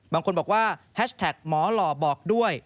บางคนบอกว่าแฮชแท็กหมอหล่อบอกด้วย